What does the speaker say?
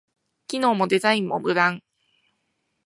機能もデザインも無難